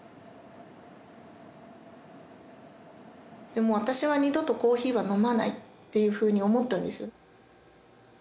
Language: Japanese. もう私は二度とコーヒーは飲まないっていうふうに思ったんですよね。